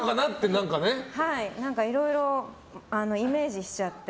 何かいろいろイメージしちゃって。